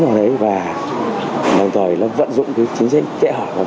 sau này ta thông qua thông qua thì đây là hợp pháp